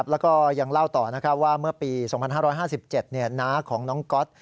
แล้วก็ยังเล่าต่อว่าเมื่อปี๒๕๕๗น้าของน้องก๊อต